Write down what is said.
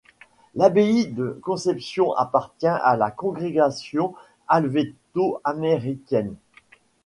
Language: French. L'abbaye de Conception appartient à la congrégation helvéto-américaine.